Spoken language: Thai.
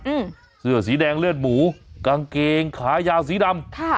อืมเสื้อสีแดงเลือดหมูกางเกงขายาวสีดำค่ะ